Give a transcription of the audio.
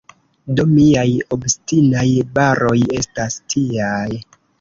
Do miaj “obstinaj baroj” estas tiaj.